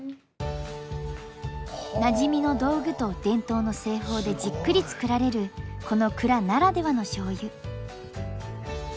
なじみの道具と伝統の製法でじっくり造られるこの蔵ならではの醤油。